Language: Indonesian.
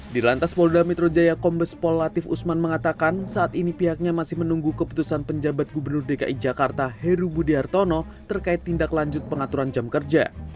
di lantas polda metro jaya kombes pol latif usman mengatakan saat ini pihaknya masih menunggu keputusan penjabat gubernur dki jakarta heru budi hartono terkait tindak lanjut pengaturan jam kerja